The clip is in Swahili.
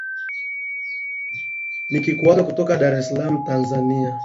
nikikuaga kutoka dar es salaam tanzania